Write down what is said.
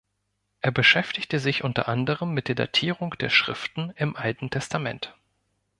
Er beschäftigte sich unter anderem mit der Datierung der Schriften im Alten Testament.